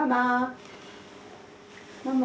ママ？